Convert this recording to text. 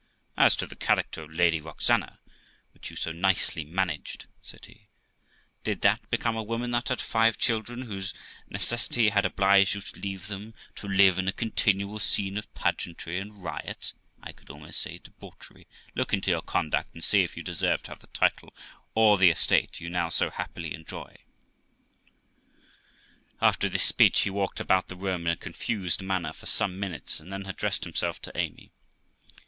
As to the character of Lady Roxana, which you so nicely managed', said he, 'did that become a woman that had five children, whose necessity had obliged you to leave them, to live in a continual scene of pageantry and riot, I could almost say debauchery? Look into your conduct, and see if you deserve to have the title or the estate you now so happily enjoy.' After this speech, he walked about the room in a confused manner for some minutes, and then addressed himself to Amy.